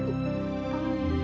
ah betapa senangnya